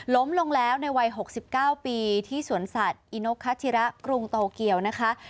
ล้มลงแล้วในวัย๖๙ปีที่สวนสัตว์อินกคาชิระกรุงโตเกียวนะคะ